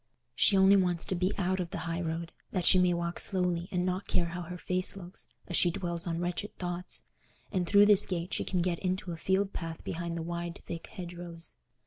She only wants to be out of the high road, that she may walk slowly and not care how her face looks, as she dwells on wretched thoughts; and through this gate she can get into a field path behind the wide thick hedgerows.